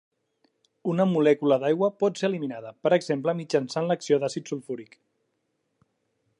Una molècula d'aigua pot ser eliminada, per exemple mitjançant l'acció d'àcid sulfúric.